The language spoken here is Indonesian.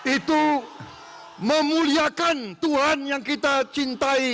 itu memuliakan tuhan yang kita cintai